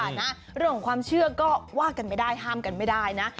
นะเรื่องของความเชื่อก็ว่ากันไม่ได้ห้ามกันไม่ได้นะ